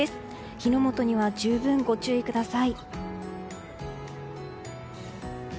火の元には十分ご注意ください。